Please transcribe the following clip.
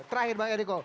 terakhir bang ericko